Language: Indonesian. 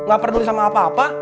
gak peduli sama apa apa